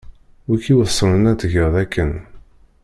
Wi k-iweṣren ad tgeḍ akken.